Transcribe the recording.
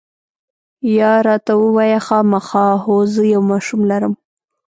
یا، راته ووایه، خامخا؟ هو، زه یو ماشوم لرم.